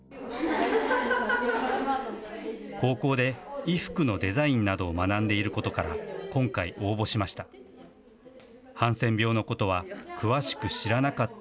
高校で衣服のデザインなどを学んでいることから、今回、応募しました。